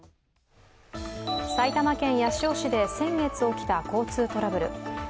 埼玉県八潮市で先月起きた交通トラブル。